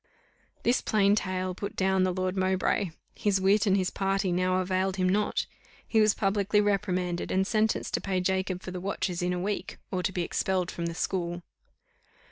This plain tale put down the Lord Mowbray. His wit and his party now availed him not; he was publicly reprimanded, and sentenced to pay Jacob for the watches in a week, or to be expelled from the school.